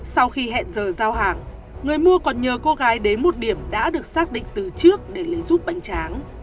sau khi hẹn giờ giao hàng người mua còn nhờ cô gái đến một điểm đã được xác định từ trước để lấy giúp bệnh tráng